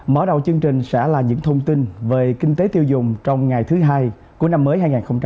mở đầu chương trình sẽ là những thông tin về kinh tế tiêu dùng trong ngày thứ hai của năm mới hai nghìn hai mươi